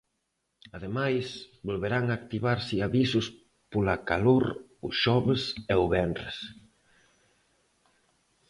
Ademais, volverán a activarse avisos pola calor o xoves e o venres.